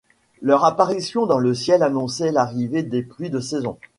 Leur apparition dans le Ciel annonçait l'arrivée des pluies de saison.